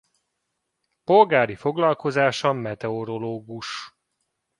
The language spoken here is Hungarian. Polgári foglalkozása meteorológus.